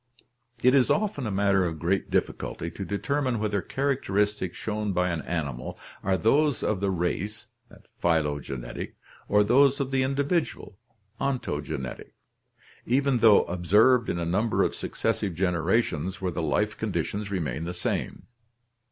— It is often a matter of great difficulty to determine whether characteristics shown by an animal are those of the race (phylogenetic) or those of the individual (ontogenetic), even though observed in a number of successive generations where the life conditions remain the same.